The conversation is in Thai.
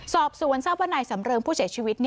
สอบสวนทราบว่านายสำเริงผู้เสียชีวิต